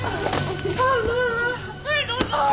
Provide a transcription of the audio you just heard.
はいどうぞ。